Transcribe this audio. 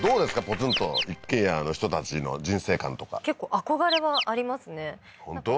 ポツンと一軒家の人たちの人生観とか結構憧れはありますね本当？